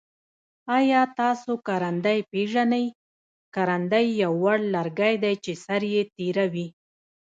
آیا تاسو کرندی پیژنی؟ کرندی یو وړ لرګی دی چه سر یي تیره وي.